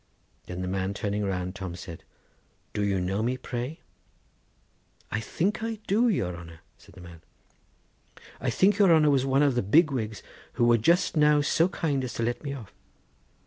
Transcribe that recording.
Then the man turning round, Tom said: 'Do you know me, pray?' 'I think I do, your honour,' said the man. 'I think your honour was one of the big wigs, who were just now so kind as to let me off.